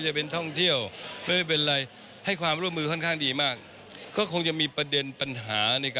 จะเป็นท่องเที่ยวไม่ได้เป็นไร